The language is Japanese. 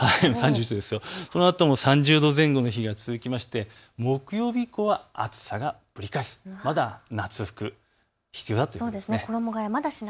そのあとも３０度前後の日が続いて木曜日以降は暑さがぶり返す、まだ夏服必要だということです。